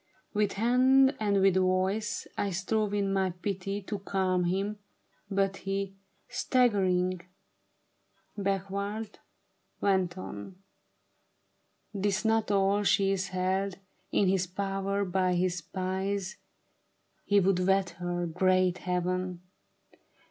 " With hand and with voice I strove in my pity to calm him : but he, Staggering backward, went on :" 'Tis not all : she is held In his power by his spies ; he would wed her — great Heaven